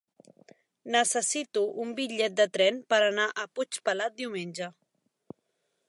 Necessito un bitllet de tren per anar a Puigpelat diumenge.